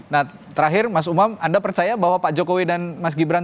nah terakhir mas umam anda percaya bahwa pak jokowi dan mas gibran